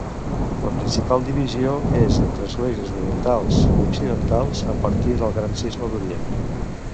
La principal divisió és entre esglésies orientals i occidentals, a partir del Gran Cisma d'Orient.